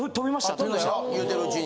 言うてるうちに。